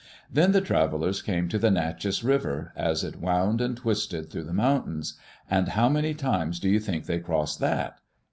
Then the travelers came to the Nachess River, as it wound and twisted through the mountains — and how many times do you think they crossed that?